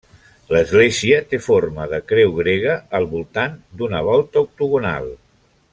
L'església té forma de creu grega al voltant d'una volta octogonal.